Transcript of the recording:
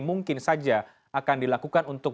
mungkin saja akan dilakukan untuk